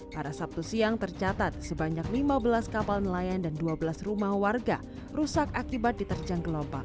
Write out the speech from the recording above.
pada sabtu siang tercatat sebanyak lima belas kapal nelayan dan dua belas rumah warga rusak akibat diterjang gelombang